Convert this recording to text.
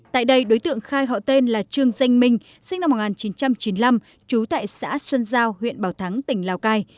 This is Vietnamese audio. tại đây đối tượng khai họ tên là trương danh minh sinh năm một nghìn chín trăm chín mươi năm trú tại xã xuân giao huyện bảo thắng tỉnh lào cai